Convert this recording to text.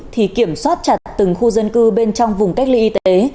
thì kiểm soát chặt từng khu dân cư bên trong vùng cách ly y tế